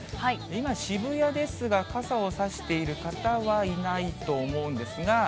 今、渋谷ですが、傘を差している方はいないと思うんですが。